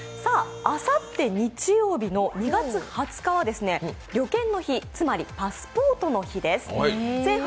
あさって日曜日の２月２０日は旅券の日、パスポートの日です。